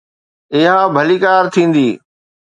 اها ڀليڪار ٿيندي.